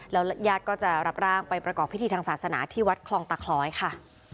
แล้วญาติก็จะรับร่างไปประกอบพิธีทางศาสนาที่วัดคลองตะคล้อยค่ะ